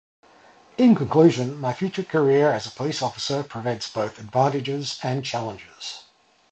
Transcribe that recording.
In conclusion, my future career as a police officer presents both advantages and challenges.